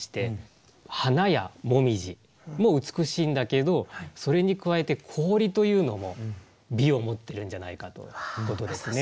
花や紅葉も美しいんだけどそれに加えて氷というのも美を持ってるんじゃないかということですね。